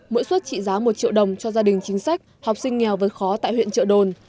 mỗi suất trị giá một triệu đồng cho gia đình chính sách học sinh nghèo vượt khó tại huyện trợ đồn